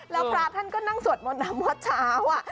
แล้วพระท่านก็นั่งสวดมนต์ทำวัดเช้า